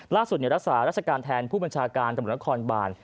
ล่าสุดรักษารัชการแทนผู้บัญชาการกรรมนักความบ่าน